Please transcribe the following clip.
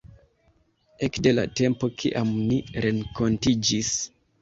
Ekde la tempo kiam ni renkontiĝis...